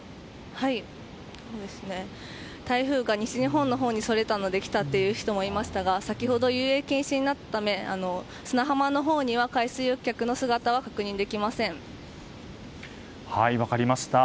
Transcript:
台風が西日本のほうにそれたので来たという人もいましたが先ほど、遊泳禁止になったため砂浜のほうには分かりました。